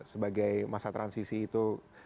sebagai masa transisi itu